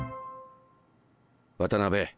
渡辺。